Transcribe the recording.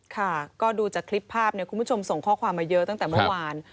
ค่ะก็ดูจากคลิปภาพคุณผู้ชมส่งข้อความมาเยอะตั้งแต่เมื่อวาน